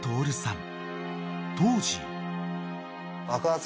［当時］